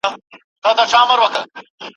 ټولنه باید ملاتړ وکړي.